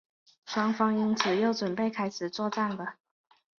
双方因此又准备开始作战了。